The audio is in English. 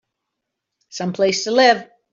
Some place to live!